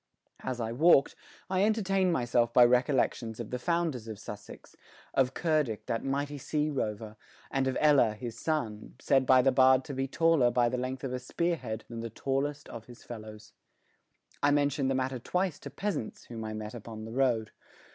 As I walked, I entertained myself by recollections of the founders of Sussex, of Cerdic that mighty sea rover, and of Ella his son, said by the bard to be taller by the length of a spear head than the tallest of his fellows. I mentioned the matter twice to peasants whom I met upon the road.